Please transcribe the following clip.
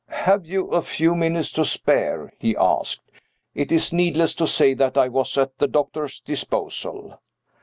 "Have you a few minutes to spare?" he asked. It is needless to say that I was at the doctor's disposal.